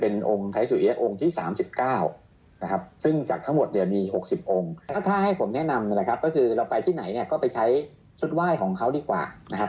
องค์นึงที่เขาเรียกว่าไทยสวยแอ๊ย